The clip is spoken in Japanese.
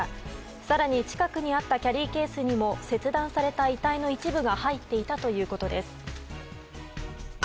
更に近くにあったキャリーケースにも切断された遺体の一部が入っていたということです。